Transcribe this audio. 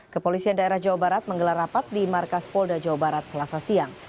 kepolisian daerah jawa barat menggelar rapat di markas polda jawa barat selasa siang